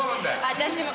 私も。